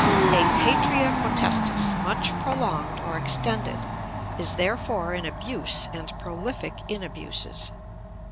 A patria potestas much prolonged or extended is therefore an abuse and prolific in abuses.